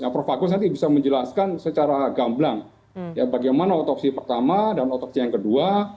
prof agus nanti bisa menjelaskan secara gamblang bagaimana otopsi pertama dan otopsi yang kedua